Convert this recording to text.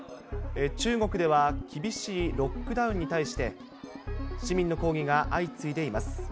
中国では厳しいロックダウンに対して、市民の抗議が相次いでいます。